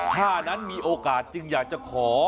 ถ้านั้นมีโอกาสจึงอยากจะขอ